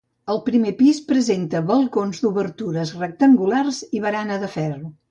El primer pis presenta balcons d'obertures rectangulars i barana de ferro.